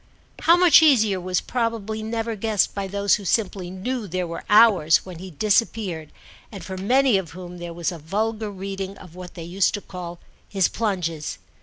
How much easier was probably never guessed by those who simply knew there were hours when he disappeared and for many of whom there was a vulgar reading of what they used to call his plunges.